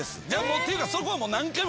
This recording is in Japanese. っていうかそこはもう。